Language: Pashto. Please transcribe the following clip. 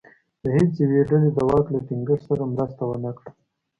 د هېڅ یوې ډلې دواک له ټینګښت سره مرسته ونه کړه.